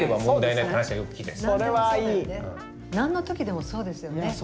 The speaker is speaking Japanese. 何の時でもそうですよね。